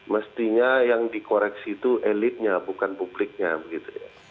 mestinya yang dikoreksi itu elitnya bukan publiknya begitu ya